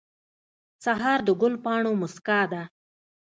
سهار د ګل پاڼو موسکا ده.